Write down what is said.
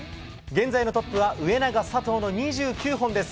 現在、トップは上長、佐藤の２９本。